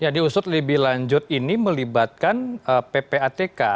diusut lebih lanjut ini melibatkan ppatk